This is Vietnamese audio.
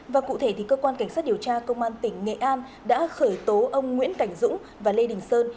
và cụ thể cơ quan cảnh sát điều tra công an tỉnh nghệ an đã khởi tố ông nguyễn cảnh dũng và lê đình sơn